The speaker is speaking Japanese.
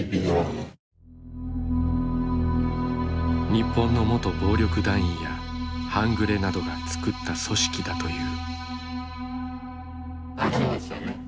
日本の元暴力団員や半グレなどが作った組織だという。